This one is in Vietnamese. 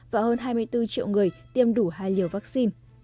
và hơn hai mươi bốn triệu người tiêm đủ hai liều vaccine